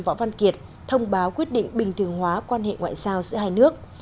võ văn kiệt thông báo quyết định bình thường hóa quan hệ ngoại giao giữa hai nước